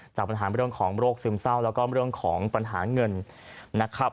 จากปัญหาเรื่องของโรคซึมเศร้าแล้วก็เรื่องของปัญหาเงินนะครับ